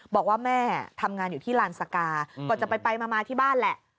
บอกว่าแม่ทำงานอยู่ที่ลานสกาก็จะไปมาที่บ้านแหละ